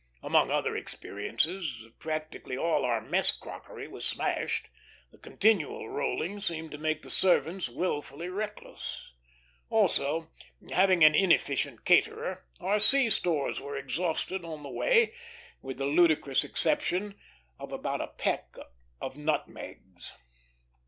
Among other experiences, practically all our mess crockery was smashed; the continual rolling seemed to make the servants wilfully reckless. Also, having an inefficient caterer, our sea stores were exhausted on the way, with the ludicrous exception of about a peck of nutmegs.